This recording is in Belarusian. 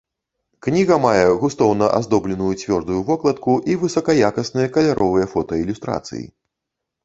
Кніга мае густоўна аздобленую цвёрдую вокладку і высакаякасныя каляровыя фотаілюстрацыі.